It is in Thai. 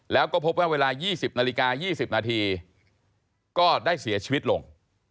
แล้วก็พบว่าเวลา๒๐นาฬิกา๒๐นาทีก็ได้เสียชีวิตลง